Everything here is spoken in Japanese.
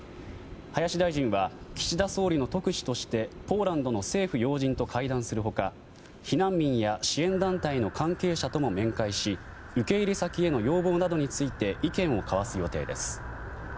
林大臣は岸田大臣の特使としてポーランドの政府要人と会談する他避難民や支援団体の関係者とも面会し受け入れ先への要望などについて意見を交わす予定です。